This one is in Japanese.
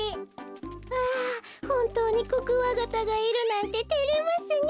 ああほんとうにコクワガタがいるなんててれますねえ。